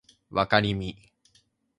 わかりみ